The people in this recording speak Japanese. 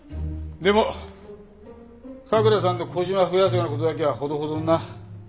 でも佐倉さんの小じわ増やすような事だけはほどほどにな。